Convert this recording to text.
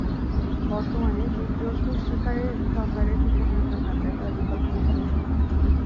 বর্তমানে জীবজন্তু শিকারে সরকারের নিষেধাজ্ঞা থাকায় তারা বিকল্প পেশা বেছে নিয়েছে।